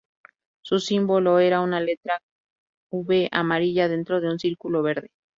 Su símbolo era una letra V amarilla, dentro de un círculo verde.